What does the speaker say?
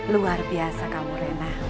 luar biasa kamu rena